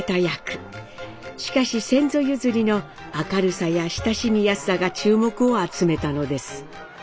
しかし先祖譲りの明るさや親しみやすさが注目を集めたのです。